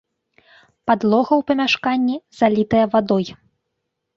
Падлога ў памяшканні залітая вадой.